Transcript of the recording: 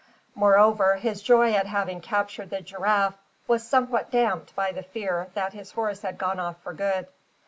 Moreover, his joy at having captured the giraffe was somewhat damped by the fear that his horse had gone off for good.